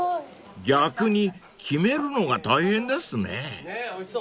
［逆に決めるのが大変ですね］